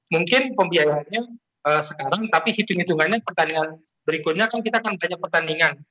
mungkin pembiayaannya sekarang tapi hitung hitungannya pertandingan berikutnya kan kita akan banyak pertandingan